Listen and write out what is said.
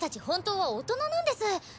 本当は大人なんです。